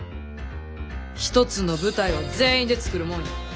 一つの舞台は全員で作るもんや。